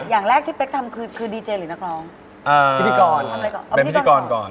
อย่างแรกที่เป๊กทำคือคือดีเจย์หรือนักร้องอ่าพิธีกรเป็นพิธีกรก่อน